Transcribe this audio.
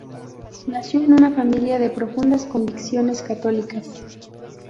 Nació en una familia de profundas convicciones católicas.